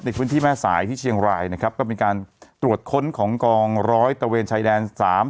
ในพื้นที่แม่สายที่เชียงรายนะครับก็มีการตรวจค้นของกองร้อยตะเวนชายแดน๓๐